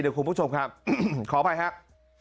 เดี๋ยวคุณผู้ชมครับขออภัยครับ